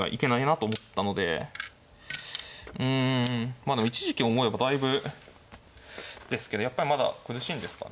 まあでも一時期を思えばだいぶですけどやっぱりまだ苦しいんですかね。